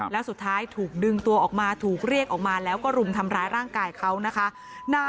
แล้วสุดท้ายถูกดึงตัวออกมาถูกเรียกออกมาแล้วก็รุมทำร้ายร่างกายเขานะคะ